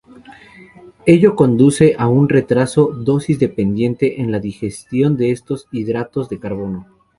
Ello conduce a un retraso dosis-dependiente en la digestión de estos hidratos de carbono.